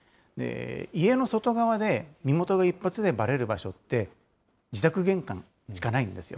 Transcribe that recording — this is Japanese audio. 家の外側で身元が一発でばれる場所って、自宅玄関しかないんですよ。